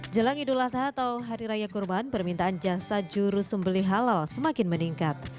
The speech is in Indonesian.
jelang idul adha atau hari raya kurban permintaan jasa juru sembeli halal semakin meningkat